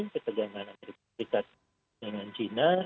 ketergangan antaripersiksa dengan china